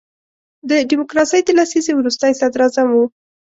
د ډیموکراسۍ د لسیزې وروستی صدر اعظم وو.